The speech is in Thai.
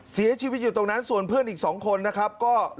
เสียชีวิตอยู่ตรงนั้นส่วนเพื่อนอีก๒คนนะครับก็